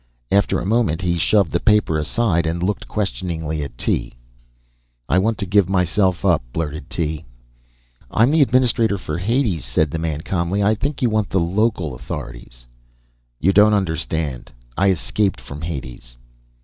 After a moment he shoved the paper aside and looked questioningly at Tee. "I want to give myself up," blurted Tee. "I'm the administrator for Hades," said the man calmly. "I think you want the local authorities." "You don't understand. I escaped from Hades."